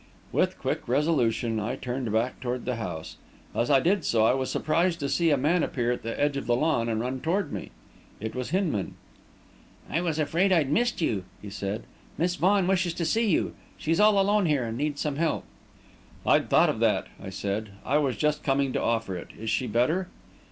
With quick resolution, I turned back toward the house. As I did so, I was surprised to see a man appear at the edge of the lawn and run toward me. It was Hinman. "I was afraid I'd missed you," he said. "Miss Vaughan wishes to see you. She's all alone here and needs some help." "I'd thought of that," I said. "I was just coming to offer it. Is she better?"